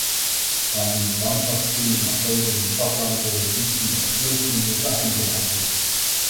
Bei einem Freundschaftsspiel im April gegen Schottland wurde sie in der Schlussminute eingewechselt.